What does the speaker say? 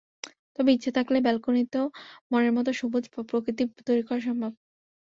তবে ইচ্ছা থাকলে ব্যালকনিতেও মনের মতো সবুজ প্রকৃতি তৈরি করা সম্ভব।